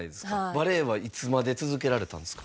バレエはいつまで続けられたんですか？